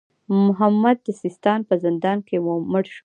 محمد د سیستان په زندان کې مړ شو.